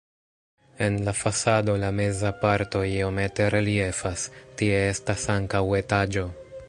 En la fasado la meza parto iomete reliefas, tie estas ankaŭ etaĝo.